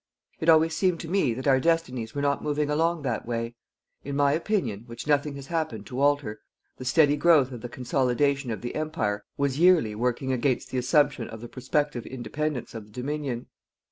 It always seemed to me that our destinies were not moving along that way. In my opinion, which nothing has happened to alter, the steady growth of the consolidation of the Empire was yearly working against the assumption of the prospective independence of the Dominion.